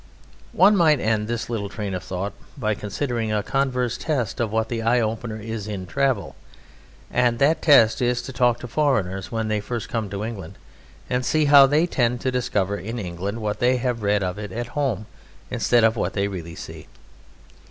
One might end this little train of thought by considering a converse test of what the eye opener is in travel; and that test is to talk to foreigners when they first come to England and see how they tend to discover in England what they have read of at home instead of what they really see.